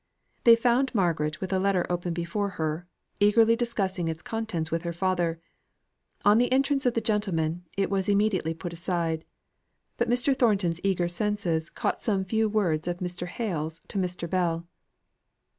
They found Margaret with a letter open before her, eagerly discussing its contents with her father. On the entrance of the gentlemen, it was immediately put aside; but Mr. Thornton's eager senses caught some few words of Mr. Hale's to Mr. Bell.